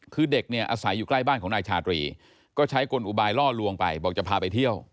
คือเด็กเนี่ยอาศัยอยู่ใกล้บ้านของนายชาตรีก็ใช้กลอุบายล่อลวงไปบอกจะพาไปเที่ยว